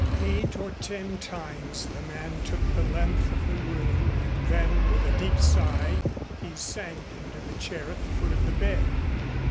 Eight or ten times the man took the length of the room and then with a deep sigh he sank into the chair at the foot of the bed.